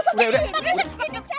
sudah sudah sudah